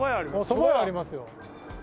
そば屋ありますよ。